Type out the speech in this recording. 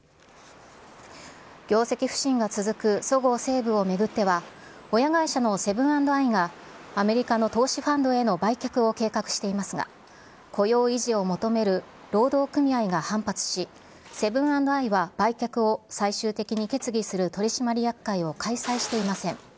業績不振が続くそごう・西武を巡っては、親会社のセブン＆アイがアメリカの投資ファンドへの売却を計画していますが、雇用維持を求める労働組合が反発し、セブン＆アイは売却を最終的に決議する取締役会を開催していません。